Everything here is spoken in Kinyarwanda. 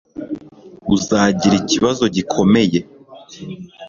uzagira ikibazo gikomeye